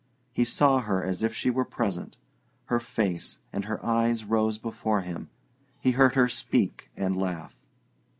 He saw her as if she were present; her face and her eyes rose before him; he heard her speak and laugh.